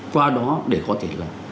qua đó để có thể là